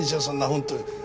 そんな本当に。